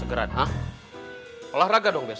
eh eh eh udah